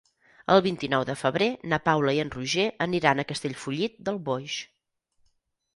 El vint-i-nou de febrer na Paula i en Roger aniran a Castellfollit del Boix.